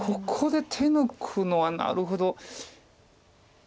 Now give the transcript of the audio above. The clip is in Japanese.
ここで手抜くのはなるほど。